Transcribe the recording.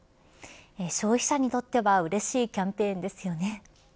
消費者にとってはうれしいキャンペーンですよね。